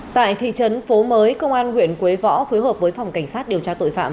tại thị trấn phố mới công an huyện quế võ phối hợp với phòng cảnh sát điều tra tội phạm